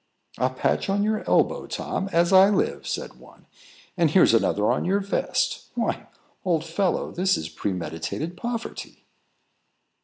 "A patch on your elbow, Tom, as I live!" said one; "and here's another on your vest. Why, old fellow, this is premeditated poverty."